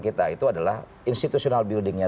kita itu adalah institutional building nya